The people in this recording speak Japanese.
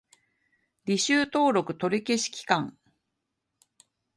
履修登録取り消し期間